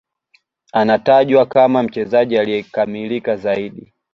Anatajwa kama mchezaji aliyekamilika zaidi